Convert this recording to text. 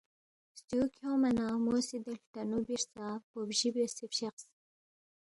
ستیُو کھیونگما نہ مو سی دے ہلٹنُو بی ہرژا پو بجی بیاسے فشقس